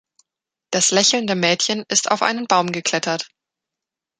Das lächelnde Mädchen ist auf einen Baum geklettert.